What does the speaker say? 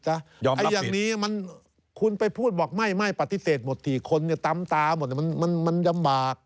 อย่างนี้คุณไปพูดบอกไม่ปฏิเสธหมดทีคนตำตาหมดมันลำบาก